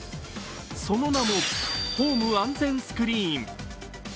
その名もホーム安全スクリーン。